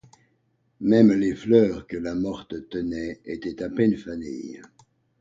Même les fleurs que la morte tenait étaient à peine fanées.